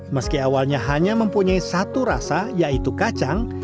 meski awalnya hanya mempunyai satu rasa yaitu kacang